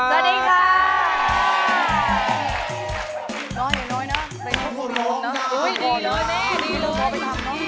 สวัสดีค่ะ